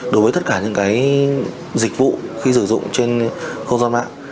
đối với tất cả những dịch vụ khi sử dụng trên không gian mạng